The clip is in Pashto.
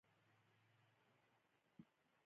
برېټانویانو د لاسپوڅي حکومت لپاره تګلاره ټاکلې وه.